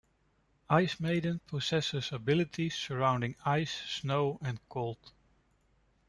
Icemaiden possesses abilities surrounding ice, snow and cold.